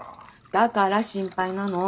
だから心配なの。